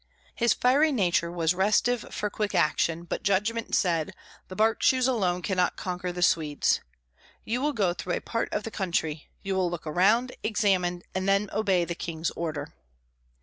His fiery nature was restive for quick action, but judgment said: "The Bark shoes alone cannot conquer the Swedes. You will go through a part of the country; you will look around, examine, and then obey the king's order."